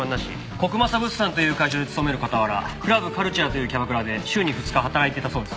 コクマサ物産という会社に勤める傍らＣｌｕｂｃｕｌｔｕｒｅというキャバクラで週に２日働いていたそうです。